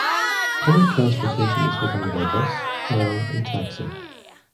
Public transportation is provided by bus, ferry and taxi.